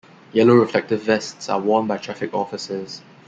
Yellow reflective vests are worn by traffic officers.